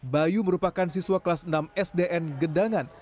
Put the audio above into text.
bayu merupakan siswa kelas enam sdn gedangan